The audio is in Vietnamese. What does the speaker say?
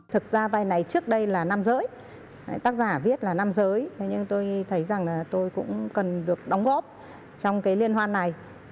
thực ra vai này trước đây là nam giới tác giả viết là nam giới thế nhưng tôi thấy rằng là tôi cũng cần được đóng góp trong cái liên hoan này